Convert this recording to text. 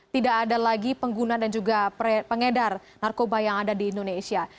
tidak ada lagi pengguna dan juga pengedar narkoba yang ada di indonesia